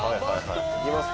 行きますか。